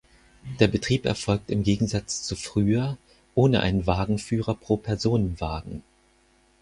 Der Betrieb erfolgt im Gegensatz zu früher ohne einen Wagenführer pro Personenwagen.